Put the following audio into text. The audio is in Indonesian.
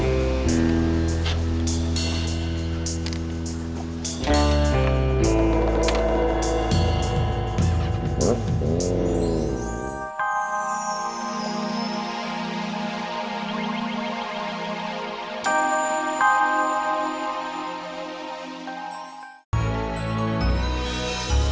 terima kasih pak